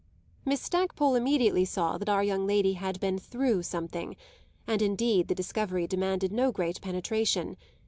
Miss Stackpole immediately saw that our young lady had been "through" something, and indeed the discovery demanded no great penetration.